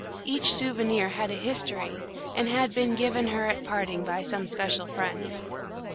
Each souvenir had a history, and had been given her at parting by some special friend.